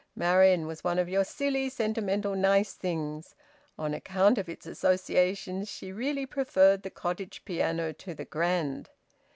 Marian was one of your silly sentimental nice things; on account of its associations, she really preferred the cottage piano to the grand.